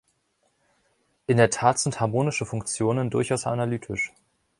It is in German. In der Tat sind harmonische Funktionen durchaus analytisch.